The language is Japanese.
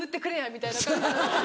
みたいな感じに。